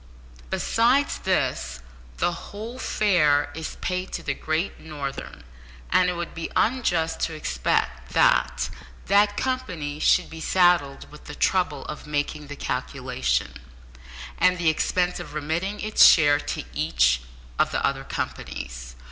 Besides this, the whole fare is paid to the Great Northern, and it would be unjust to expect that that company should be saddled with the trouble of making the calculation, and the expense of remitting its share to each of the other companies.